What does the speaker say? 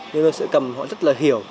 lương sĩ cầm họ rất là hiểu